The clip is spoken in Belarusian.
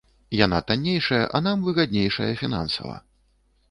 Яна таннейшая, а нам выгаднейшая фінансава.